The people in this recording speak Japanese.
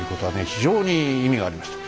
非常に意味がありました。